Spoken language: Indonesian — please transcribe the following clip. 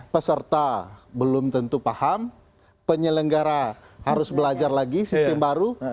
peserta belum tentu paham penyelenggara harus belajar lagi sistem baru